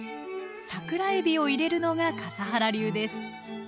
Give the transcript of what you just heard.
桜えびを入れるのが笠原流です。